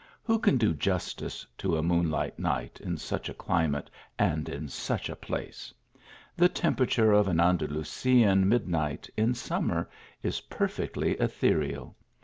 Who can do justice to a moonlight night in such a climate, and in such a place ! The temperature of an Andalusian midnight, in summer is perfectly ethereal.